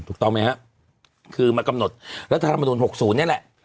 ถูกต้องไหมฮะคือมากำหนดรัฐธรรมนุน๖๐นี่แหละ